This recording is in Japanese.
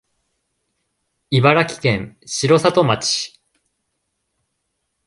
茨城県城里町